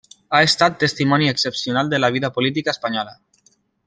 Ha estat testimoni excepcional de la vida política espanyola.